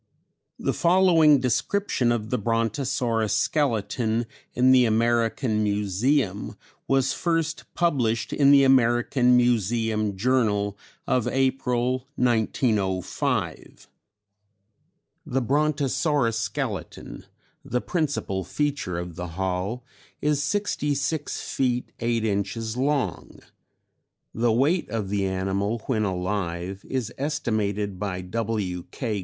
The following description of the Brontosaurus skeleton in the American Museum was first published in the American Museum Journal of April, 1905: "The Brontosaurus skeleton, the principal feature of the hall, is sixty six feet eight inches long. (The weight of the animal when alive is estimated by W.K.